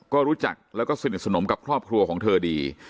ก็รู้จักแล้วก็สนิทสนมกับครอบครัวของเธอดี